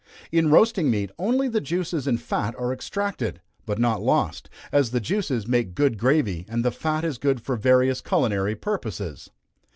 In roasting meat, only the juices and fat are extracted, but not lost, as the juices make good gravy, and the fat is good for various culinary purposes.